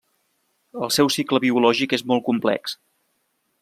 El seu cicle biològic és molt complex.